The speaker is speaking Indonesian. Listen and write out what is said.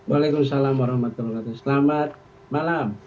waalaikumsalam selamat malam